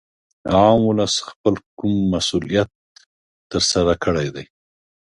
عام ولس خپل کوم مسولیت تر سره کړی دی